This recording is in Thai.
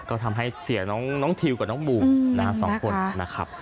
ก็ทำให้เสียน้องทิวกับน้องบูม๒คนนะครับ